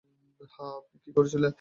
হ্যাঁ, আপনি কি করছিলেন?